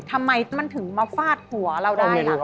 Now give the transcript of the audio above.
ทำไมมันถึงมาฟาดหัวเราได้ล่ะ